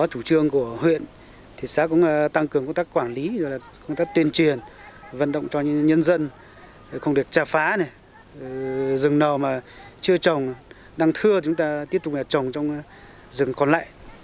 rừng nào mà chưa trồng đang thưa chúng ta tiếp tục trồng trong rừng còn lại